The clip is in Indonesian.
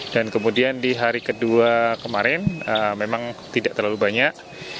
dan kemudian di hari kedua kemarin memang tidak terlalu banyak